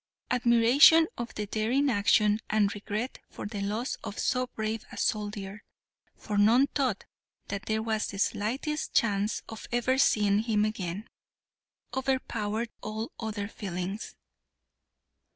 Admiration for the daring action and regret for the loss of so brave a soldier, for none thought that there was the slightest chance of ever seeing him again, overpowered all other feelings.